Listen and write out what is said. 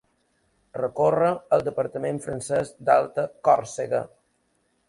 Recorre el departament francès d'Alta Còrsega.